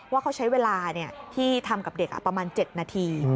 ว่าเขาใช้เวลาที่ทำกับเด็กประมาณ๗นาที